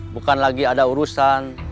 bukan lagi ada urusan